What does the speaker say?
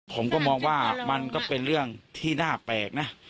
ผมก็มองว่ามันก็เป็นเรื่องที่น่าแปลกนะ